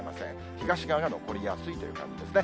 東側が残りやすいという感じですね。